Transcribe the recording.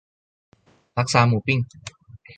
ลักซาหมูปิ้ง